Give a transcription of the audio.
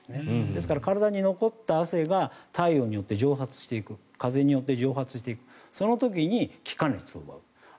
ですから、体に残った汗が体温によって蒸発していく風によって蒸発していくその時に気化熱を奪う。